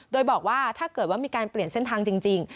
โดยบอกว่าถ้าเกิดว่ามีการเปลี่ยนเส้นทางจริง